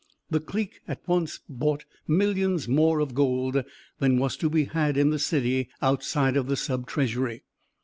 The clique at once bought millions more of gold than was to be had in the city outside of the Sub Treasury.